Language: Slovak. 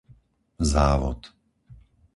Závod